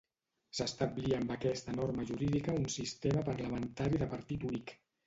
S'establia amb aquesta norma jurídica un sistema parlamentari de partit únic.